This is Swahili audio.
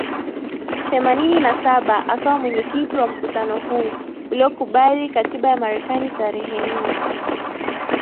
themanini na saba akawa mwenyekiti wa mkutano huu uliokubali katiba ya MarekaniTarehe nne